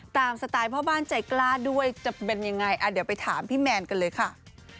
สไตล์พ่อบ้านใจกล้าด้วยจะเป็นยังไงเดี๋ยวไปถามพี่แมนกันเลยค่ะ